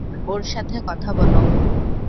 ওর সাথে কথা বলো!